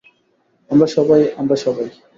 আমরা সবাই, - আমরা সবাই।